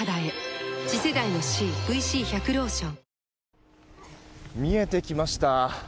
はぁ見えてきました。